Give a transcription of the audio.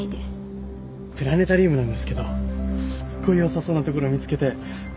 プラネタリウムなんですけどすっごいよさそうな所見つけて。